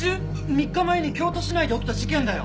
３日前に京都市内で起きた事件だよ。